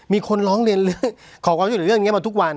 มีคนร้องเรียนขอความช่วยเหลือเรื่องนี้มาทุกวัน